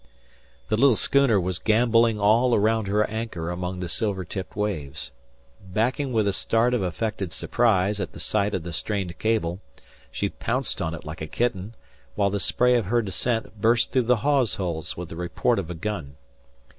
The little schooner was gambolling all around her anchor among the silver tipped waves. Backing with a start of affected surprise at the sight of the strained cable, she pounced on it like a kitten, while the spray of her descent burst through the hawse holes with the report of a gun.